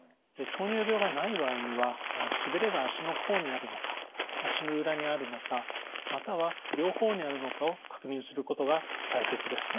糖尿病がない場合にはしびれが足の甲にあるのか足の裏にあるのかまたは両方にあるのかを確認することが大切です。